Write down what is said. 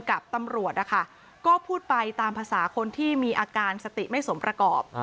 กับตำรวจนะคะก็พูดไปตามภาษาคนที่มีอาการสติไม่สมประกอบ